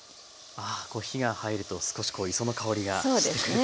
ああ火が入ると少しこう磯の香りがしてくる感じですね。